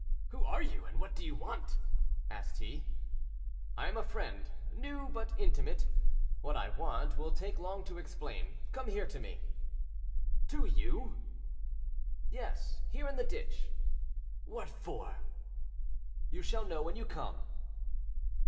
"Who are you, and what do you want?" asked he. "I am a friend, new, but intimate; what I want will take long to explain; come here to me." "To you?" "Yes; here in the ditch." "What for?" "You shall know when you come."